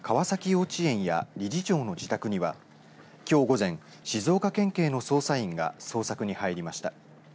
幼稚園や理事長の自宅にはきょう午前静岡県警の捜査員が捜索に入りました。